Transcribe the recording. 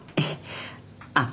あっ。